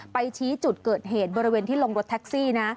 ชี้จุดเกิดเหตุบริเวณที่ลงรถแท็กซี่นะ